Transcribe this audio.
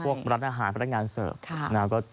แล้วก็พวกรัฐอาหารพนักงานเสิร์ฟ